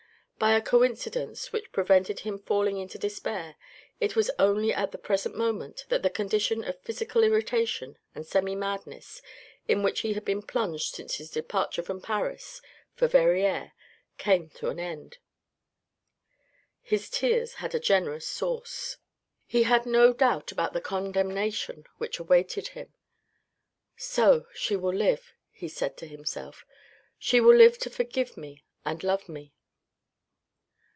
By a coincidence, which prevented him falling into despair, it was only at the present moment that the condition of physical irritation and semi madness, in which he had been plunged since his departure from Paris for Verrieres came to an end. His tears had a generous source. He had no doubt about the condemnation which awaited him. "So she will live," he said to himself. "She will live to forgive me and love me."